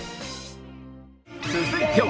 続いては